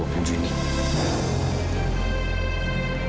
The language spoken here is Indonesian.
dan aku juga akan pastikan